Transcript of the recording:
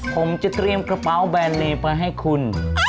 ผมจะเตรียมกระเป๋าแบรนเลไปให้คุณ